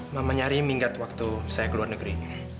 mamanya ari minggat waktu saya ke luar negeri